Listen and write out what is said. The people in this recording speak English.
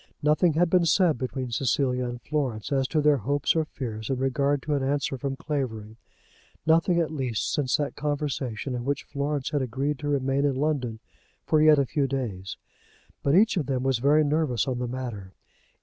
Nothing had been said between Cecilia and Florence as to their hopes or fears in regard to an answer from Clavering; nothing at least since that conversation in which Florence had agreed to remain in London for yet a few days; but each of them was very nervous on the matter.